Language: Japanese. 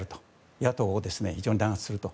野党を非常に弾圧すると。